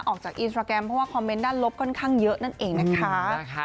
ออกจากอินสตราแกรมเพราะว่าคอมเมนต์ด้านลบค่อนข้างเยอะนั่นเองนะคะ